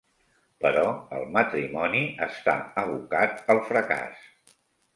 Però el matrimoni està abocat al fracàs.